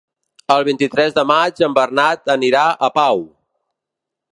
El vint-i-tres de maig en Bernat anirà a Pau.